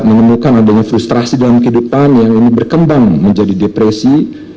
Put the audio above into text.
menemukan adanya frustrasi dalam kehidupan yang ini berkembang menjadi depresi